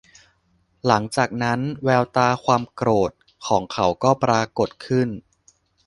หลัจากนั้น แววตาของความโกรธของเขาก็ปรากฎขึ้น